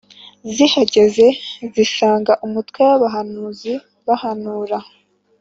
Zihageze zisanga umutwe w’abahanuzi bahanura